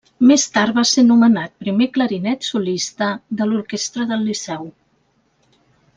Més tard, va ser nomenat primer clarinet solista de l'Orquestra del Liceu.